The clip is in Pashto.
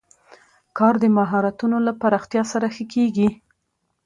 کار د مهارتونو له پراختیا سره ښه کېږي